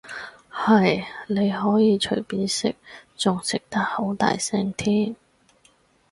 係，你可以隨便食，仲食得好大聲添